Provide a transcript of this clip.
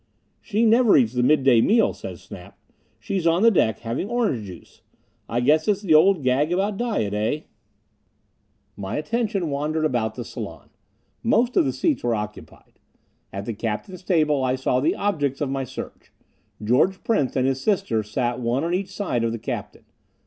"She never eats the mid day meal," said Snap. "She's on the deck, having orange juice. I guess it's the old gag about diet, eh?" My attention wandered about the salon. Most of the seats were occupied. At the captain's table I saw the objects of my search. George Prince and his sister sat one on each side of the captain.